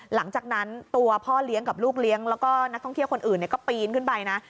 หลังจากนั้นตัวพ่อเลี้ยงกับลูกเลี้ยงแล้วก็นักท่องเที่ยวคนอื่นก็ปีนขึ้นไปนะ